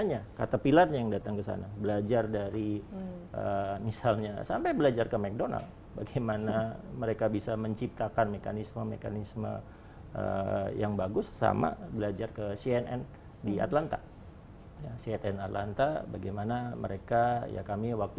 ya caterpillar karena mereka punya mekanisme fast react